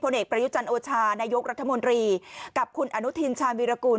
ผลเอกประยุจรรย์โอชานายกรรมนรีกับคุณอนุทินชามวิรกูล